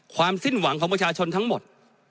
สิ้นหวังของประชาชนทั้งหมด